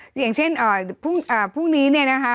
อย่างเช่นพรุ่งนี้เนี่ยนะคะ